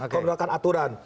kalau melakukan aturan